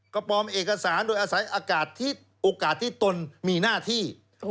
ก็ปลอมเอกสารโดยอาศัยโอกาสที่ตนมีหน้าที่